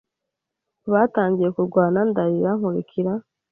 “Batangiye kurwana!” Ndarira. “Nkurikira.”